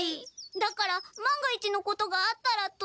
だから万が一のことがあったらと。